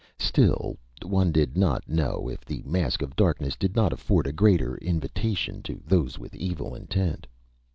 Still, one did not know if the mask of darkness did not afford a greater invitation to those with evil intent.